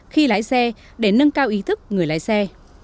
khi lái xe để nâng cao ý thức người lái xe